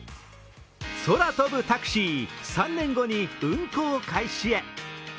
空飛ぶタクシー、３年後に運航開始へ。